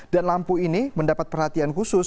dan lampu ini mendapat perhatian khusus